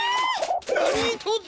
なにとぞ！